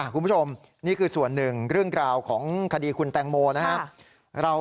คุณผู้ชมนี่คือส่วนหนึ่งเรื่องราวของคดีคุณแตงโมนะครับ